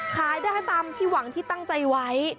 ขายได้ตามที่หวังที่ตั้งใจไว้